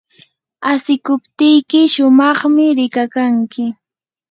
asikuptiyki shumaqmi rikakanki.